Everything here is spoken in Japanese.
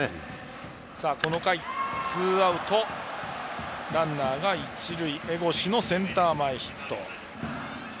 この回ツーアウトランナーが一塁から江越のセンター前ヒット。